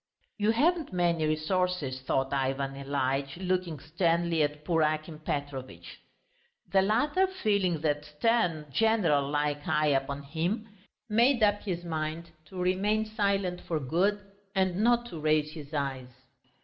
"You haven't many resources," thought Ivan Ilyitch, looking sternly at poor Akim Petrovitch. The latter, feeling that stern general like eye upon him, made up his mind to remain silent for good and not to raise his eyes.